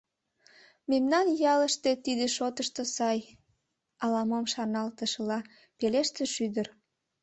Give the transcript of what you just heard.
— Мемнан ялыште тиде шотышто сай... — ала-мом шарналтышыла, пелештыш ӱдыр.